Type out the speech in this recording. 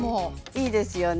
いいですよね。